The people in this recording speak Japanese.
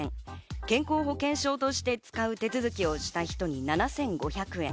健康保険証として使う手続きをした人に７５００円。